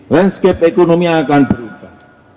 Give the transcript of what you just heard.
landscape ekonomi akan berubah